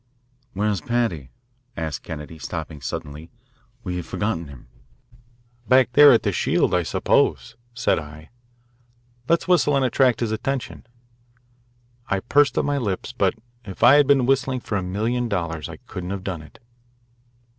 "Where's Paddy?" asked Kennedy, stopping suddenly. "We've forgotten him." "Back there at the shield, I suppose," said I. "Let's whistle and attract his attention. I pursed up my lips, but if I had been whistling for a million dollars I couldn't have done it.